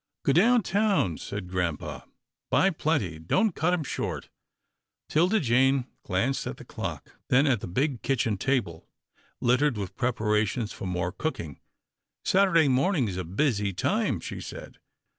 " Go down town," said grampa, " buy plenty, don't cut him short." 'Tilda Jane glanced at the clock, then at the big kitchen table, littered with preparations for more cooking. " Saturday morning is a busy time," she said.